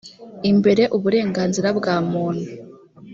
imbere uburenganzira bwa muntu